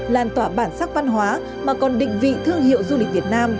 làn tỏa bản sắc văn hóa mà còn định vị thương hiệu du lịch việt nam